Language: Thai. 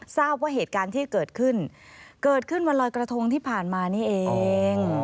ทราบว่าเหตุการณ์ที่เกิดขึ้นเกิดขึ้นวันลอยกระทงที่ผ่านมานี่เอง